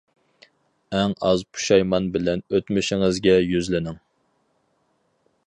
ئەڭ ئاز پۇشايمان بىلەن ئۆتمۈشىڭىزگە يۈزلىنىڭ.